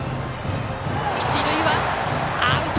一塁はアウト！